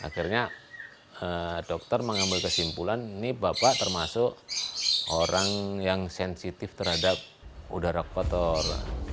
akhirnya dokter mengambil kesimpulan ini bapak termasuk orang yang sensitif terhadap udara kotor